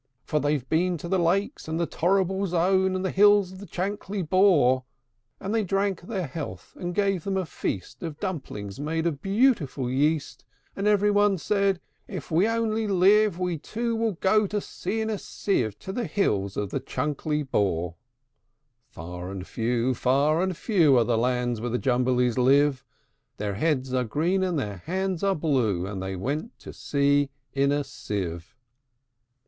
For they've been to the Lakes, and the Torrible Zone, And the hills of the Chankly Bore." And they drank their health, and gave them a feast Of dumplings made of beautiful yeast; And every one said, "If we only live, We, too, will go to sea in a sieve, To the hills of the Chankly Bore." Far and few, far and few, Are the lands where the Jumblies live: Their heads are green, and their hands are blue; And they went to sea in a sieve.